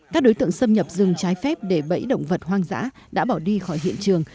các đối tượng xâm nhập rừng trái phép để bẫy động vật hoang dã đã bỏ đi khỏi hiện trường